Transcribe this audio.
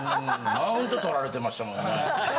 マウント取られてましたもんね。